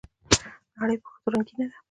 نړۍ په ښځو رنګينه ده